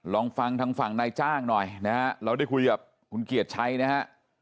ลองฟังทางฝั่งนายจ้างหน่อยนะฮะเราได้คุยกับคุณเกียรติชัยนะฮะ